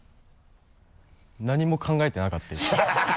何も考えてなかったです。